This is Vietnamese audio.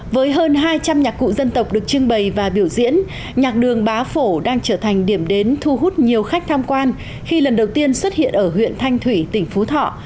với hơn hai trăm linh nhạc cụ dân tộc được trưng bày và biểu diễn nhạc đường bá phổ đang trở thành điểm đến thu hút nhiều khách tham quan khi lần đầu tiên xuất hiện ở huyện thanh thủy tỉnh phú thọ